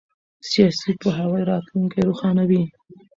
سیاسي پوهاوی راتلونکی روښانوي